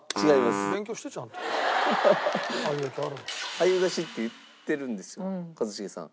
鮎菓子って言ってるんですよ一茂さん。